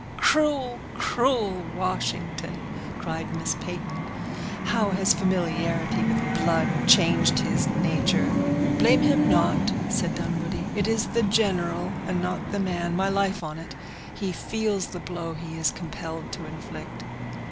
"Cruel, cruel Washington!" cried Miss Peyton. "How has familiarity with blood changed his nature!" "Blame him not," said Dunwoodie; "it is the general, and not the man; my life on it, he feels the blow he is compelled to inflict."